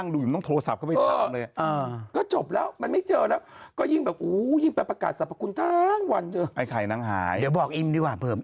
เดี๋ยวบอกอิมดีกว่าผม